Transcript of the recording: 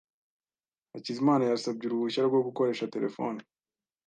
Hakizimana yasabye uruhushya rwo gukoresha terefone.